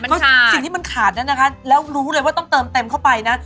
ก็สิ่งที่มันขาดนั้นนะคะแล้วรู้เลยว่าต้องเติมเต็มเข้าไปนะ